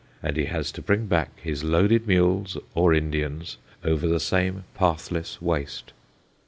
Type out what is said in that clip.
And he has to bring back his loaded mules, or Indians, over the same pathless waste.